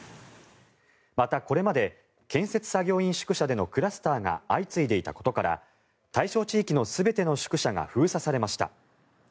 また、これまで建設作業員宿舎でのクラスターが相次いでいたことから対象地域の全ての宿舎が封鎖されました。